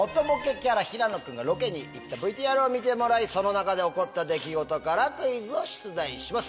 キャラ平野君がロケに行ったＶＴＲを見てもらいその中で起こった出来事からクイズを出題します。